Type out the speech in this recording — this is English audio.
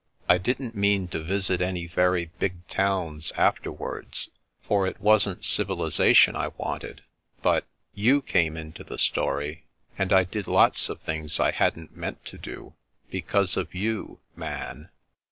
I didn't mean to visit any very big towns afterwards, for it wasn't civilisation I wanted; but — ^you came into the story, and I did lots of things I hadn't meant to do— because of you, Man."